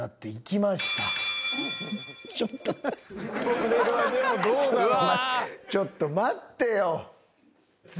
これはでもどうだろう？